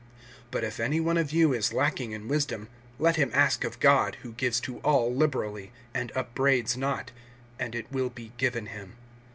(5)But if any one of you is lacking in wisdom, let him ask of God, who gives to all liberally, and upbraids not, and it will be given him.